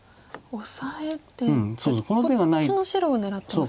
オサえてこっちの白を狙ってますか。